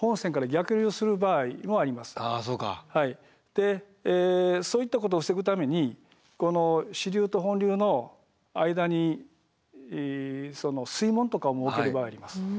でそういったことを防ぐためにこの支流と本流の間に水門とかを設ける場合あります。